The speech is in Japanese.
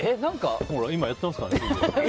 今やってますから。